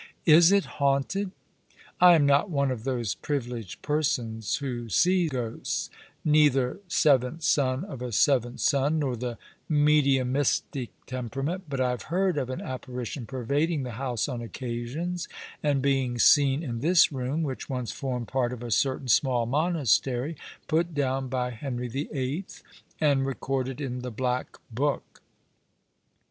" Is it haunted ?"" I am not one of those privileged persons who see ghosts ; neither seventh son of a seventh son, nor of the mediumistic The Ram set early in To night^ 1 1 temperament ; but I have heard of an apparition pervading the house on occasions, and being seen in this room, which once formed part of a certain small monastery, put down by Henry VIII., and recorded in the Black Book.